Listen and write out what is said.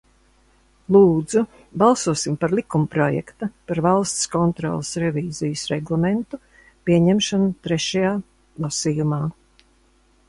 "Lūdzu, balsosim par likumprojekta "Par Valsts kontroles revīzijas reglamentu" pieņemšanu trešajā lasījumā!"